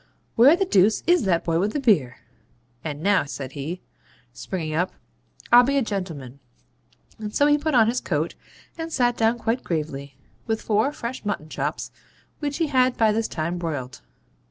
Where the deuce IS that boy with the beer? And now,' said he, springing up, 'I'll be a gentleman.' And so he put on his coat, and sat down quite gravely, with four fresh mutton chops which he had by this time broiled.